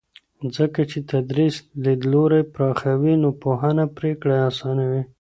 ځکه چې تدریس لیدلوری پراخوي نو پوهنه پرېکړې اسانوي.